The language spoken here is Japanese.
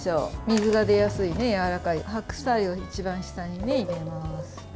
水が出やすいのでやわらかい白菜を一番下に入れます。